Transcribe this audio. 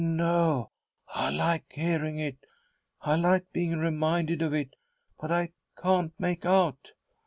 " Oh, no ! I like hearing it. I hke being reminded of it I But I can't make out "■